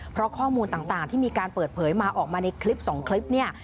เพราะข้อมูลต่างที่มีการเปิดเผยมาออกมาในคลิป๒คลิปเนี่ย